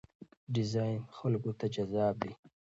ډیزاین خلکو ته جذاب دی.